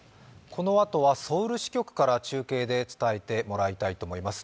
このあとはソウル支局から中継で伝えてもらいたいと思います。